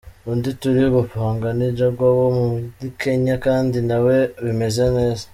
Undi turi gupanga ni Jaguar wo muri Kenya kandi na we bimeze neza.